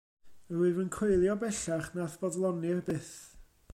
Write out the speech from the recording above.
Yr wyf yn coelio, bellach, na'th foddlonir byth.